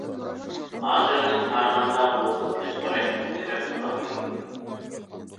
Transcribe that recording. ھازىردىن قارىغاندا، بۇ خىل كۆز قاراش پۇت تىرەپ تۇرالمايدۇ.